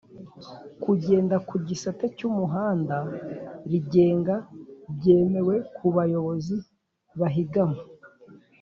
Kugenda kugisate cy’umuhanda rigenga byemewe kubayobozi bahigama